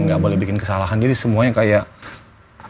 nggak boleh bikin kesalahan jadi semuanya kayak